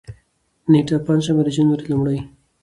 نېټه: پنجشنبه، د جنوري لومړۍ